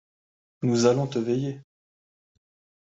Nous allons te veiller.